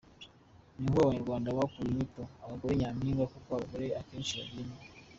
Niho abanyarwanda bakuye kwita abagore ‘Nyampinga’ kuko abagore akenshi bagira impuhwe.